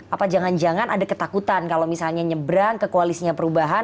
apa jangan jangan ada ketakutan kalau misalnya nyebrang ke koalisinya perubahan